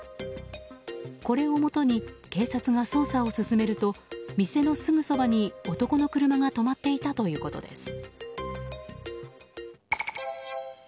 これをもとに警察が捜査を進めると店のすぐそばに男の車が止まっていたということです。